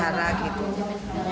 ya kita sama sama berjuang